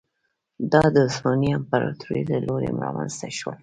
دا د عثماني امپراتورۍ له لوري رامنځته شول.